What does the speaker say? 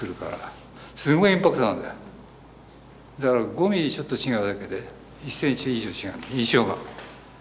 だから５ミリちょっと違うだけで１センチ以上違う印象が。